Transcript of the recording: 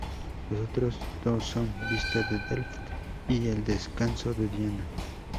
Los otros dos son "Vista de Delft" y "El Descanso de Diana".